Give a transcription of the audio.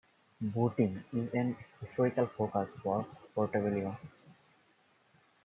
Boating is an historical focus for Portobello.